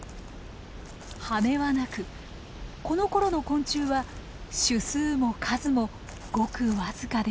羽はなくこのころの昆虫は種数も数もごく僅かでした。